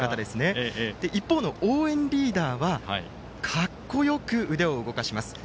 一方の応援リーダーはかっこよく腕を動かします。